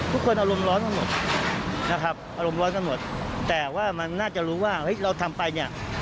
ทุกคนอารมณ์ร้อนกันหมดนะครับอารมณ์ร้อนกันหมดแต่ว่ามันน่าจะรู้ว่าเฮ้ยเราทำไปเนี่ย